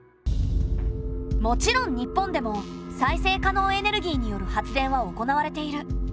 もちろん日本でも再生可能エネルギーによる発電は行われている。